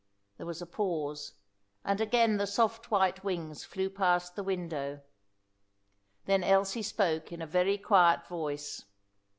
There was a pause, and again the soft white wings flew past the window. Then Elsie spoke in a very quiet voice.